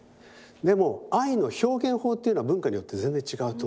でも愛の表現法っていうのは文化によって全然違うと思うんですよ。